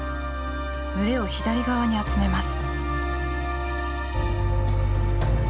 群れを左側に集めます。